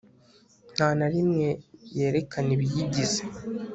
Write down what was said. Nta na rimwe yerekana ibiyigize